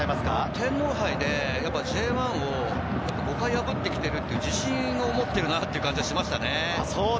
天皇杯でＪ１を５回破ってきている自信を持っているなという感じがしましたね。